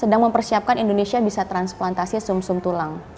sedang mempersiapkan indonesia bisa transplantasi sum sum tulang